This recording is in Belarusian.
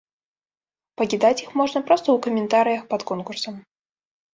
Пакідаць іх можна проста ў каментарыях пад конкурсам.